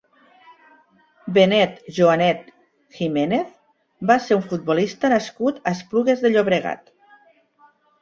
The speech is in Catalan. Benet Joanet Jiménez va ser un futbolista nascut a Esplugues de Llobregat.